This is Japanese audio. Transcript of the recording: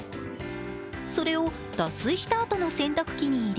それを脱水したあとの洗濯機に入れ